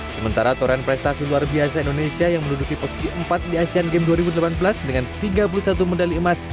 sementara toren prestasi luar biasa indonesia yang menduduki posisi empat di asean games dua ribu delapan belas dengan tiga puluh satu medali emas